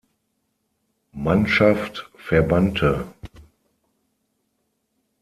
Mannschaft verbannte.